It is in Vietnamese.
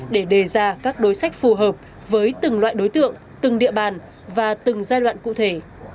để đề ra các đối sách phù hợp với từng loại đối tượng từng địa bàn và từng giai đoạn cụ thể